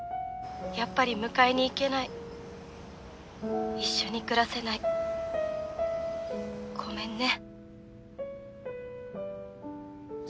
やっぱり迎えに行けない」「一緒に暮らせない」「ごめんね」